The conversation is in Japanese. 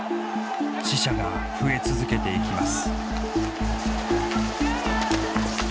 死者が増え続けていきます。